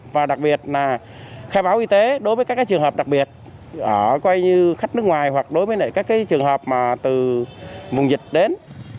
và đặc biệt là khai báo y tế đối với các trường hợp đặc biệt coi như khách nước ngoài hoặc đối với các trường hợp mà từ vùng dịch đến